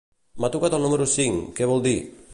M'ha tocat el número cinc, què vol dir?